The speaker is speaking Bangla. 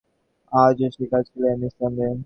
আজও সে কাঁদিতেছিল, নিঃশব্দে।